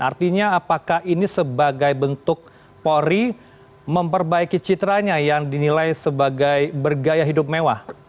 artinya apakah ini sebagai bentuk polri memperbaiki citranya yang dinilai sebagai bergaya hidup mewah